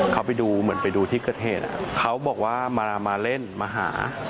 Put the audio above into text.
เขาไปดูเหมือนไปดูที่เกิดเหตุเขาบอกว่ามาเล่นมาหา